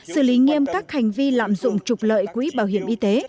xử lý nghiêm các hành vi lạm dụng trục lợi quỹ bảo hiểm y tế